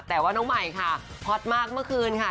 แต่ว่าน้องใหม่ค่ะฮอตมากเมื่อคืนค่ะ